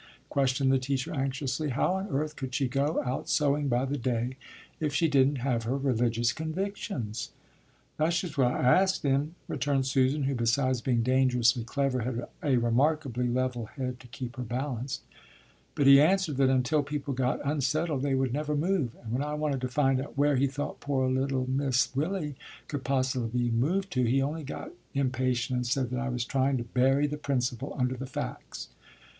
questioned the teacher anxiously. "How on earth could she go out sewing by the day if she didn't have her religious convictions?" "That's just what I asked him," returned Susan, who, besides being dangerously clever, had a remarkably level head to keep her balanced. "But he answered that until people got unsettled they would never move, and when I wanted to find out where he thought poor little Miss Willy could possibly move to, he only got impatient and said that I was trying to bury the principle under the facts.